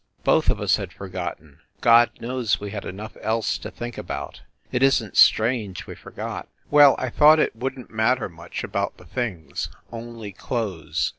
Both of us had forgot ten God knows we had enough else to think about it isn t strange we forgot. Well, I thought it wouldn t matter much about the things only clothes.